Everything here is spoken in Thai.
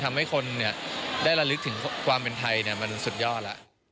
ทำให้คนได้ระลึกถึงความเป็นไทยมันสุดยอดแล้ว